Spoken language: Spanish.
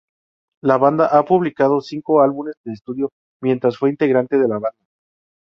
La banda ha publicado cinco álbumes de estudio mientras fue integrante de la banda.